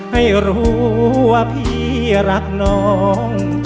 ให้รู้ว่าพี่รักน้อง